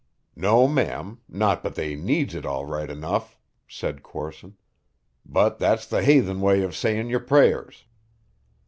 "No, ma'am not but they needs it all right enough," said Corson, "but that's the haythen way of sayin' your prayers."